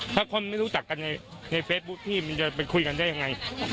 ถ้าคนไม่รู้จักกันในเฟซบุ๊คพี่มันจะไปคุยกันได้ยังไง